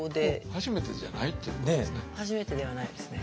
初めてじゃないっていうことですね。